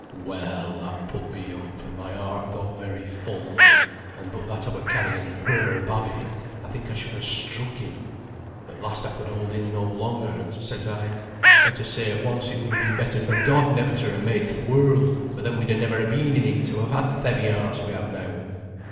"Well! that put me up, and my heart got very full, and but that I were carrying her babby, I think I should ha' struck him. At last I could hold in no longer, and says I, "'Better say at once it would ha' been better for God never to ha' made th' world, for then we'd never ha' been in it, to have had th' heavy hearts we have now.'